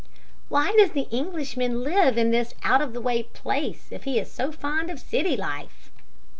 "Why does the Englishman live in this out of the way place, if he is so fond of city life?"